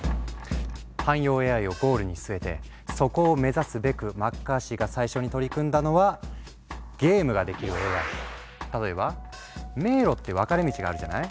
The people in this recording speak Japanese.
汎用ＡＩをゴールに据えてそこを目指すべくマッカーシーが最初に取り組んだのは例えば迷路って分かれ道があるじゃない？